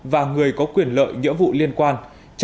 và người có quyền lợi nhỡ vụ liên quan